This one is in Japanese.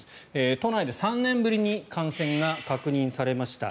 都内で３年ぶりに感染が確認されました。